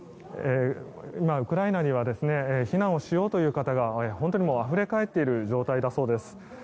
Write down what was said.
今、ウクライナには避難をしようという方が本当にあふれ返っている状態だそうです。